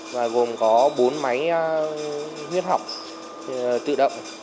và gồm có bốn máy huyết học tự động